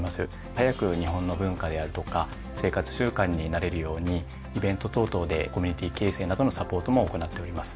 早く日本の文化であるとか生活習慣に慣れるようにイベント等々でコミュニティー形成などのサポートも行っております。